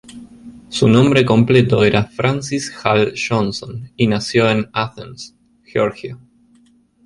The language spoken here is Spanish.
Su nombre completo era Francis Hall Johnson, y nació en Athens, Georgia.